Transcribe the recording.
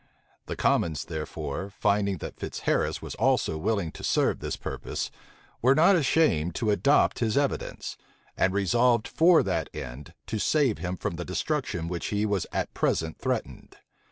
The commons, therefore, finding that Fitzharris was also willing to serve this purpose, were not ashamed to adopt his evidence, and resolved for that end, to save him from the destruction with which he was at present threatened.